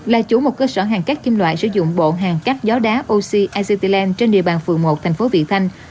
là chủ một cơ sở hàng các kim loại sử dụng bộ hàng các gió đá oxy acetylene trên địa bàn phường một thành phố vị thanh